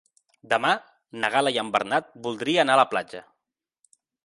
Demà na Gal·la i en Bernat voldria anar a la platja.